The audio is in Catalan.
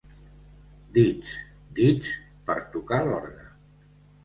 Dits, dits, per tocar l'orgue.